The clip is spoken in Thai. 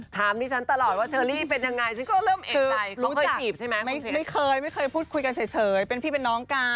ถามพี่ฉันตลอดว่าเชอรี่กูเป็นยังไง